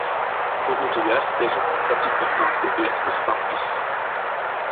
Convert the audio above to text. We moeten juist zeggen dat dit nog maar de eerste stap is.